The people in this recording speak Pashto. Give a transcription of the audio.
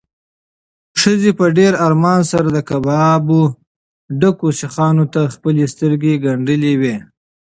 ښځې په ډېر ارمان سره د کبابو ډکو سیخانو ته خپلې سترګې ګنډلې وې.